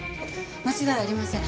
間違いありません。